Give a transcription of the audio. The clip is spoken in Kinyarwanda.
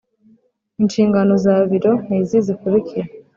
Inshingano za biro ni izi zikurikira